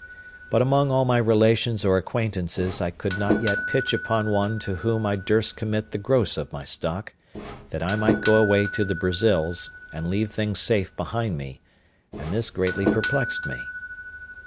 But among all my relations or acquaintances I could not yet pitch upon one to whom I durst commit the gross of my stock, that I might go away to the Brazils, and leave things safe behind me; and this greatly perplexed me.